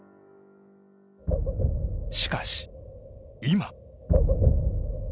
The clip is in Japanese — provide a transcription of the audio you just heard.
しかし、今。